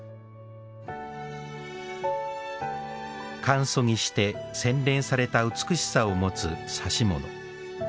簡素にして洗練された美しさを持つ指物。